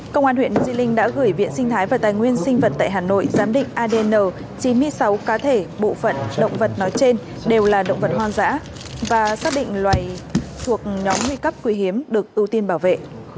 công an huyện di linh đã gửi viện sinh thái và tài nguyên sinh vật tại hà nội giám định adn chín mươi sáu cá thể bộ phận động vật nói trên đều là động vật hoang dã và xác định loài thuộc nhóm nguy cấp quý hiếm được ưu tiên bảo vệ